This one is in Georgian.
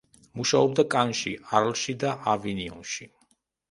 მუშაობდა კანში, არლში და ავინიონში.